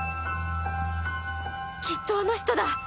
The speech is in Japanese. きっとあの人だ！